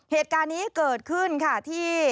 เหตุการณ์นี้เกิดขึ้นค่ะที่